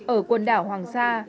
ở quần đảo hoàng sa